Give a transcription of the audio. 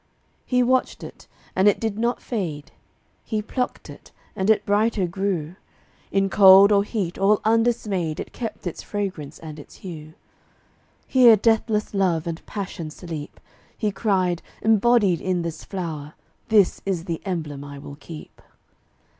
He watched it, and it did not fade; He plucked it, and it brighter grew. In cold or heat, all undismayed, It kept its fragrance and its hue. "Here deathless love and passion sleep," He cried, "embodied in this flower. This is the emblem I will keep."